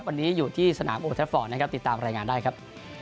วันนี้อยู่ที่สนามโอแฟฟอร์ดนะครับติดตามรายงานได้ครับ